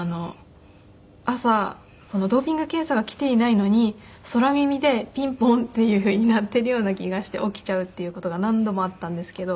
朝ドーピング検査が来ていないのに空耳で「ピンポーン」っていうふうに鳴っているような気がして起きちゃうっていう事が何度もあったんですけど。